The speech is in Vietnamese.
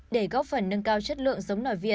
để góp phần nâng cao chất lượng giống nổi việt